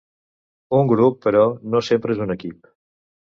Un grup, però, no sempre és un equip.